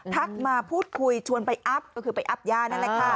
มาพูดคุยชวนไปอัพก็คือไปอัพยานั่นแหละค่ะ